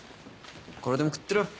これでも食ってろ。